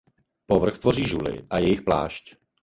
Povrch tvoří žuly a jejich plášť.